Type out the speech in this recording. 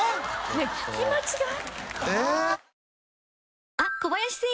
ねぇ聞き間違い？